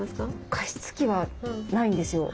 加湿器はないんですよ。